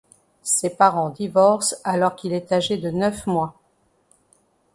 Ses parents divorcent alors qu'il est âgé de neuf mois.